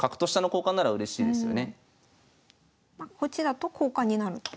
こっちだと交換になると。